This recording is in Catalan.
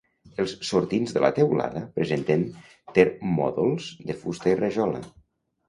Els sortints de la teulada presenten permòdols de fusta i rajola.